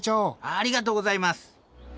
ありがとうございます。